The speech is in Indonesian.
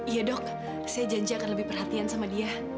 iya dok saya janji akan lebih perhatian sama dia